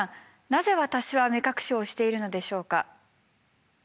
なぜ私は目隠しをしているのでしょうか？